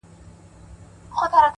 پاخه د غم په انغري کړو زړونه